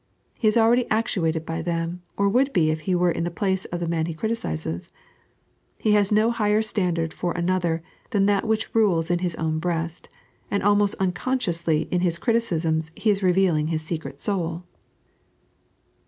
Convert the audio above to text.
He is already actuated by them, or would be if he were in the place of the man he criticises. He has no higher standard for another than that which rules in bis own breast, and almost unconsciously in his criticisms he is revealing his eeoret soul.